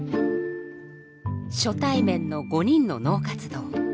初対面の５人の脳活動。